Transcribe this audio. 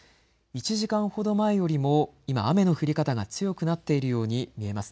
１時間ほど前よりも今、雨の降り方が強くなっているように見えます。